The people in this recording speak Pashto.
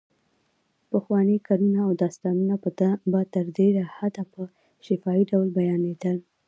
پخواني نکلونه او داستانونه په تر ډېره حده په شفاهي ډول بیانېدل.